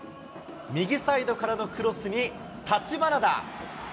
右サイドからのクロスに、橘田。